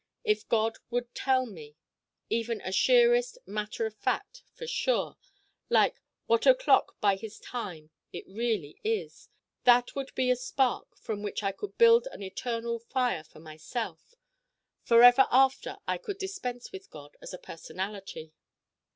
If God would tell me even a sheerest matter of fact, for sure like What O'Clock by his time it really is: that would be a spark from which I could build an eternal fire for myself. Forever after I could dispense with God as a personality.